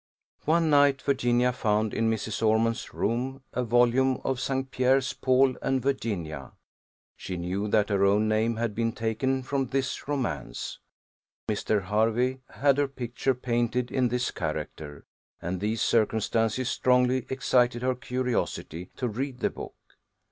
One night Virginia found, in Mrs. Ormond's room, a volume of St. Pierre's Paul and Virginia. She knew that her own name had been taken from this romance; Mr. Hervey had her picture painted in this character; and these circumstances strongly excited her curiosity to read the book.